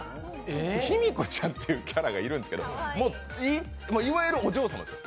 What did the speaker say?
ひみこちゃんというキャラがいるんですけど、いわゆるお嬢様です。